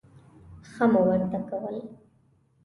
ښه مو ورته کول.